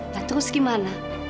nah terus gimana